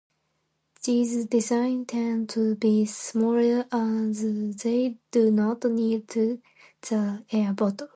These designs tend to be smaller as they do not need the air bottle.